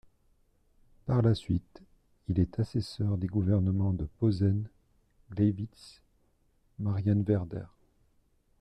Par la suite, il est assesseur des gouvernements de Posen, Gleiwitz, Marienwerder.